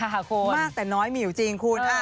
มากแต่น้อยมีอยู่จริงคุณ